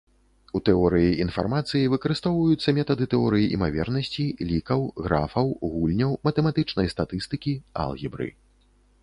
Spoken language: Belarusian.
У тэорыі інфармацыі выкарыстоўваюцца метады тэорый імавернасцей, лікаў, графаў, гульняў, матэматычнай статыстыкі, алгебры.